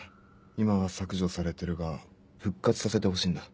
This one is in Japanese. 今は削除されてるが復活させてほしいんだ。